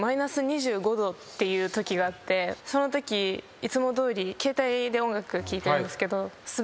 そのときいつもどおり携帯で音楽聴いてるんですけど。